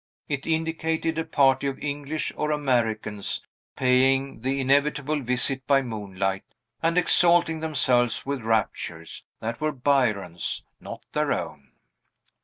It indicated a party of English or Americans paying the inevitable visit by moonlight, and exalting themselves with raptures that were Byron's, not their own.